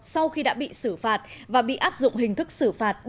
sau khi đã bị xử phạt và bị áp dụng hình thức xử phạt